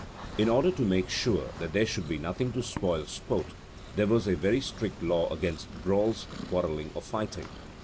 In order to make sure that there should be nothing to spoil sport, there was a very strict law against brawls, quarrelling, or fighting.